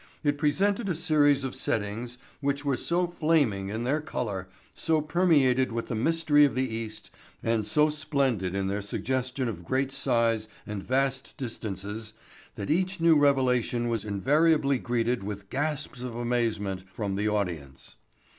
It presented a series of settings which were so flaming in their color, so permeated with the mystery of the East and so splendid in their suggestion of great size and vast distances that each new revelation was invariably greeted with gasps of amazement from the audience.